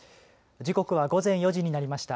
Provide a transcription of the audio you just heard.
時刻は午前４時になりました。